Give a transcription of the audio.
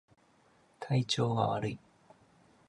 体調が悪い